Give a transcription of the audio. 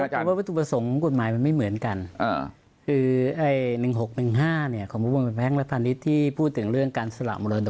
เพราะว่าอุปสรรคกฎหมายมันไม่เหมือนกัน